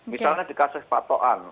misalnya dikasih patoan